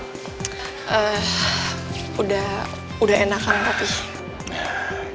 ehh udah enakan papi